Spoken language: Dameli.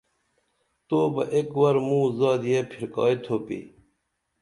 تو بہ ایک ور موں زادیہ پِھرکائی تُھوپی